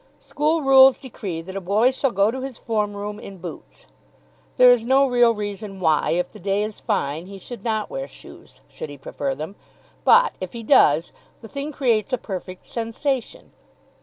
School rules decree that a boy shall go to his form room in boots, There is no real reason why, if the day is fine, he should not wear shoes, should he prefer them. But, if he does, the thing creates a perfect sensation.